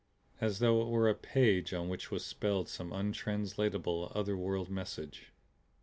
As though it were a page on which was spelled some untranslatable other world message.